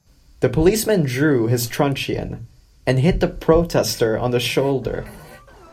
The policeman drew his truncheon, and hit the protester on the shoulder